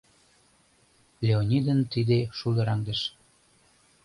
Леонидын тиде шулдыраҥдыш.